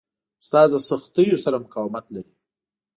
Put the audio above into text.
استاد د سختیو سره مقاومت لري.